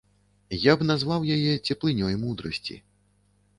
Я б назваў яе цеплынёй мудрасці.